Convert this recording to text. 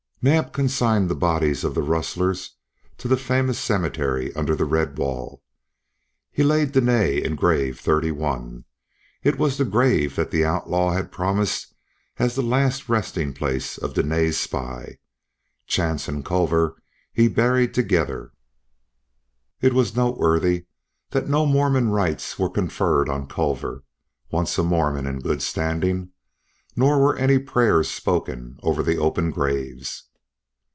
Naab consigned the bodies of the rustlers to the famous cemetery under the red wall. He laid Dene in grave thirty one. It was the grave that the outlaw had promised as the last resting place of Dene's spy. Chance and Culver he buried together. It was noteworthy that no Mormon rites were conferred on Culver, once a Mormon in good standing, nor were any prayers spoken over the open graves.